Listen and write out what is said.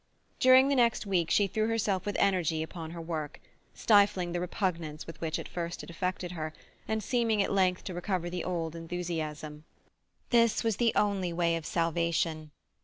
During the next week she threw herself with energy upon her work, stifling the repugnance with which at first it affected her, and seeming at length to recover the old enthusiasm. This was the only way of salvation.